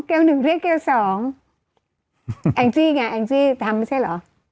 เกลียวหนึ่งเรียกเกลียวสองแองซี่ไงแองซี่ทำไม่ใช่หรอ